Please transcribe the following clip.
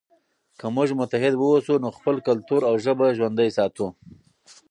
که موږ متحد واوسو نو خپل کلتور او ژبه ژوندی ساتو.